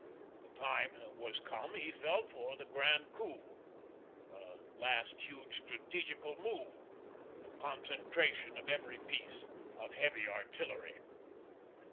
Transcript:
The time was come, he felt, for the grand coup, the last huge strategical move, the concentration of every piece of heavy artillery.